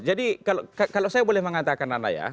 jadi kalau saya boleh mengatakan nana ya